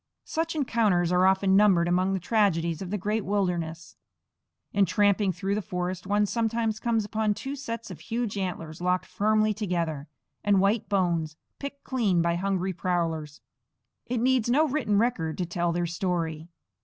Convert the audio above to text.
Such encounters are often numbered among the tragedies of the great wilderness. In tramping through the forest one sometimes comes upon two sets of huge antlers locked firmly together, and white bones, picked clean by hungry prowlers. It needs no written record to tell their story.